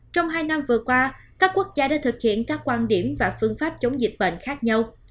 trong hai năm vừa qua các quốc gia đã thực hiện các quan điểm và phương pháp chống dịch bệnh khác nhau